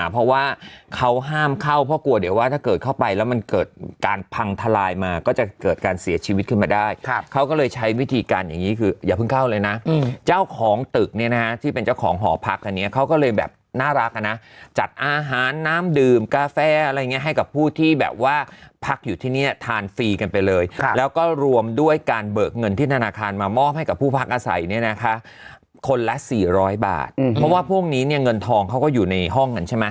เพราะว่าเขาห้ามเข้าเพราะกลัวเดี๋ยวว่าถ้าเกิดเข้าไปแล้วมันเกิดการพังทลายมาก็จะเกิดการเสียชีวิตขึ้นมาได้เขาก็เลยใช้วิธีการอย่างนี้คืออย่าเพิ่งเข้าเลยนะเจ้าของตึกเนี่ยนะที่เป็นเจ้าของหอพักอันนี้เขาก็เลยแบบน่ารักนะจัดอาหารน้ำดื่มกาแฟอะไรเงี้ยให้กับผู้ที่แบบว่าพักอยู่ที่เนี่ยทานฟรี